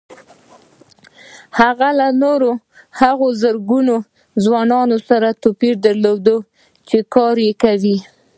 هغه له نورو هغو زرګونه ځوانانو سره توپير درلود چې کار يې کاوه.